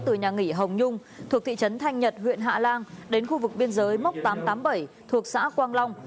từ nhà nghỉ hồng nhung thuộc thị trấn thanh nhật huyện hạ lan đến khu vực biên giới mốc tám trăm tám mươi bảy thuộc xã quang long